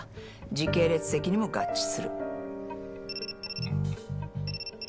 時系列的にも合致する。